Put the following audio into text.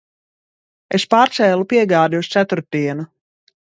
Es pārcēlu piegādi uz ceturtdienu.